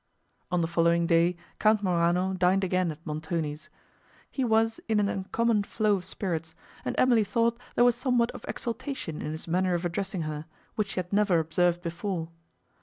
On the following day Count Morano dined again at Montoni's. He was in an uncommon flow of spirits, and Emily thought there was somewhat of exultation in his manner of addressing her, which she had never observed before.